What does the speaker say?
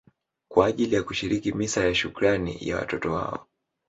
kwa ajili ya kushiriki misa ya shukrani ya watoto wao